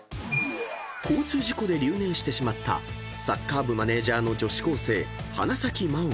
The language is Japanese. ［交通事故で留年してしまったサッカー部マネジャーの女子高生花咲真緒が